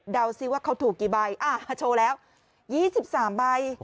เดาซิว่าเขาถูกกี่ใบอ่าโชว์แล้วยี่สิบสามใบ